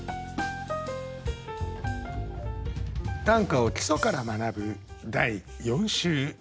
短歌を基礎から学ぶ第４週。